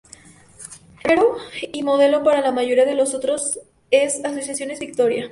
El primero, y modelo para la mayoría de los otros es Asociaciones Victoria.